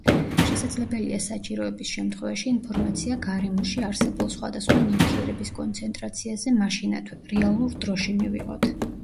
შესაძლებელია საჭიროების შემთხვევაში, ინფორმაცია გარემოში არსებულ, სხვადასხვა ნივთიერების კონცენტრაციაზე მაშინათვე, რეალურ დროში მივიღოთ.